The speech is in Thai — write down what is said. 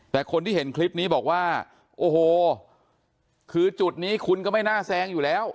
แต่คนที่เห็นคลิปนี้บอกว่าโอ้โหคือจุดนี้คุณก็ไม่น่าแซงอยู่แล้ว